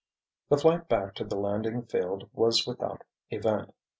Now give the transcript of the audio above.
The flight back to the landing field was without event.